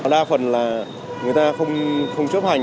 đa phần là người ta không chấp hành